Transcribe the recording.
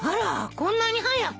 こんなに早く？